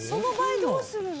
どうするの？